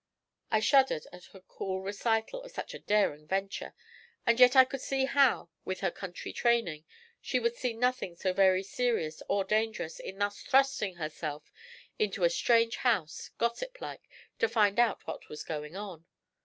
I shuddered at her cool recital of such a daring venture; and yet I could see how, with her country training, she would see nothing so very serious or dangerous in thus thrusting herself into a strange house, gossip like, 'to find out what was goin' on.'